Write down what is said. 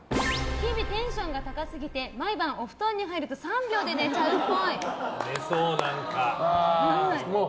日々テンションが高すぎて毎晩お布団に入ると寝そう、何か。